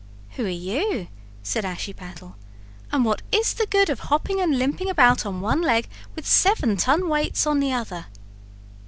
"Who are you, said Ashiepattle, "and what is the good of hopping and limping about on one leg with seven ton weights on the other?"